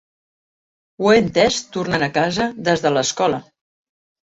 Ho he entès tornant a casa des de l'escola.